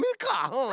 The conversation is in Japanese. うん！